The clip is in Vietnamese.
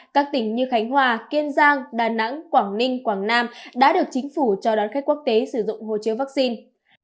các tỉnh như khánh hòa kiên giang đà nẵng quảng ninh quảng nam đã được chính phủ cho đón khách quốc tế sử dụng hồ chứa vaccine